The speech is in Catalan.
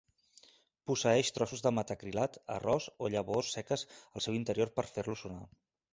Posseeix trossos de metacrilat, arròs o llavors seques al seu interior per fer-lo sonar.